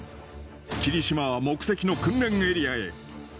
きりしまは目的の訓練エリアへ。